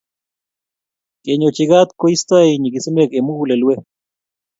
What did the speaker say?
Kenyochi kat koistoi nyikisinwek eng mugulelwek